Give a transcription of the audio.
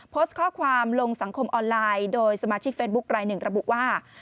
โพสต์ข้อความลงสังคมออนไลน์โดยสมาชิกเฟซบุ๊คลายหนึ่งระบุว่า